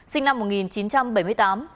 sinh năm một nghìn chín trăm bảy mươi tám